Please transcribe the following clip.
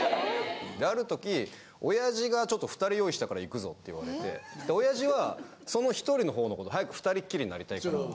ある時オヤジが「ちょっと２人用意したから行くぞ」って言われてオヤジはその１人の方の子と早く２人っきりになりたいから。